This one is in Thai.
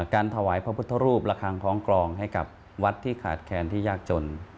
ถวายพระพุทธรูประคังคล้องกรองให้กับวัดที่ขาดแคนที่ยากจน